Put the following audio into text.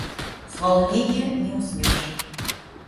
С волнения не уснешь.